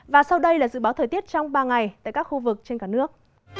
và sau đây là dự báo thời tiết trong ba ngày tại các khu vực trên cả nước